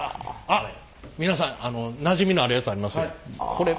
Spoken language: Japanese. あっ皆さんあのなじみのあるやつありますよ。